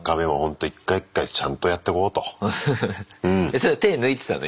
それ手抜いてたの？